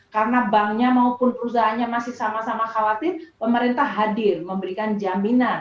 karena banknya maupun perusahaannya masih sama sama khawatir pemerintah hadir memberikan jaminan